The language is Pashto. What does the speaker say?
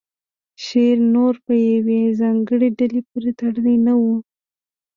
شعر نور په یوې ځانګړې ډلې پورې تړلی نه و